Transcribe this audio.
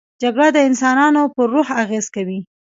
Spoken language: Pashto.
جګړه د انسانانو پر روح اغېز کوي